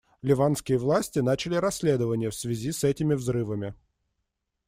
Ливанские власти начали расследование в связи с этими взрывами.